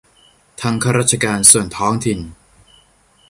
ทั้งราชการส่วนท้องถิ่น